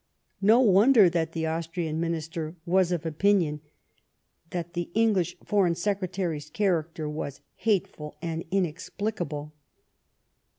No wonder that the Austrian Minister was of opinion that the English Foreign Secretary's character was '^ hateful and inexplicable."